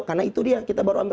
karena itu dia kita baru ambil